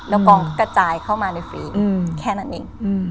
แล้วกองก็กระจายเข้ามาในฟรีแค่นั้นเอง